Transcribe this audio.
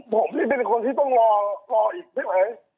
ผมนี่เป็นคนที่ต้องรออีกใช่ไหม